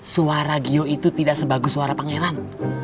suara gio itu tidak sebagus suara pangeran